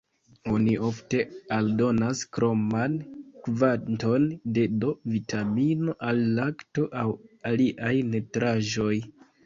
Oni ofte aldonas kroman kvanton de D-vitamino al lakto aŭ aliaj nutraĵoj.